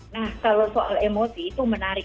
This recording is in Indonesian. nah kalau soal emosi itu menarik